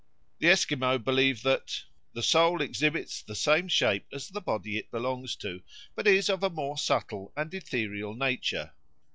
The Esquimaux believe that "the soul exhibits the same shape as the body it belongs to, but is of a more subtle and ethereal nature."